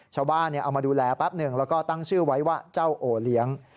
ชาวบ้านเอามาดูแลแป๊บหนึ่งแล้วก็ตั้งชื่อไว้ว่าเจ้าโอเลี้ยง